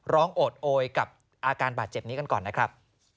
โอดโอยกับอาการบาดเจ็บนี้กันก่อนนะครับ